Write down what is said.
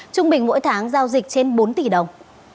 trung bình mỗi tháng giao dịch trên bốn tỷ đồng